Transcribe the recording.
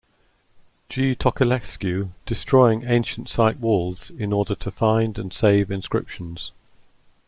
G Tocilescu, destroying ancient site walls, in order to find and save inscriptions.